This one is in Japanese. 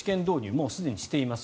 もうすでにしています。